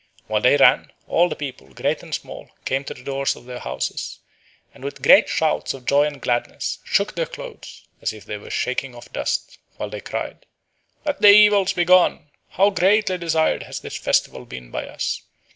While they ran, all the people, great and small, came to the doors of their houses, and with great shouts of joy and gladness shook their clothes, as if they were shaking off dust, while they cried, "Let the evils be gone. How greatly desired has this festival been by us.